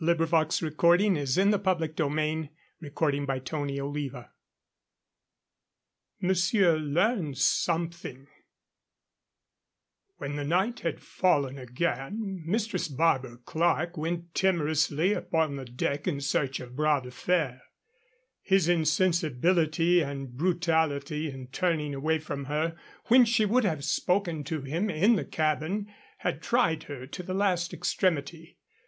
Bras de Fer swung hotly on his heel and went below. CHAPTER XIII MONSIEUR LEARNS SOMETHING When the night had fallen again, Mistress Barbara Clerke went timorously upon the deck in search of Bras de Fer. His insensibility and brutality in turning away from her when she would have spoken to him in the cabin had tried her to the last extremity.